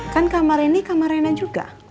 kan kamar ini kamar rena juga